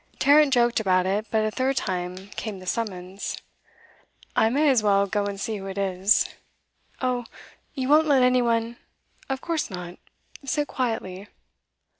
Tarrant joked about it; but a third time came the summons. 'I may as well go and see who it is.' 'Oh you won't let any one ' 'Of course not. Sit quietly.